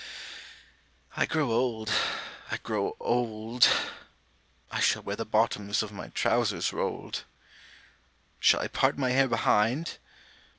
I grow old ... I grow old ... I shall wear the bottoms of my trousers rolled. Shall I part my hair behind?